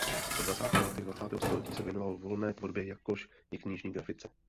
Ve dvacátých letech dvacátého století se věnoval volné tvorbě jakož i knižní grafice.